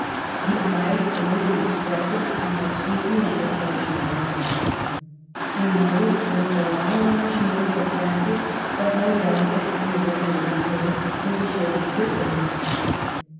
The eyes, blue and expressive, smiled sweetl) under arch ing brows. Her nose was the long, large nose of Francis, but more delicate and irregular in her, with a sort of ripple in it.